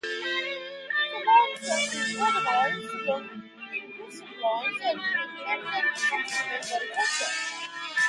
It demands that is organized along linguistic lines and aimed at protecting Bengali culture.